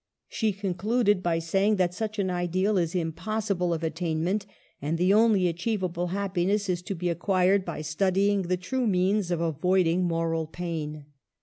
She concluded by saying that such an ideal is impossible of attain ment, and the only achievable happiness is to be acquired by studying the true means of avoiding moral pain.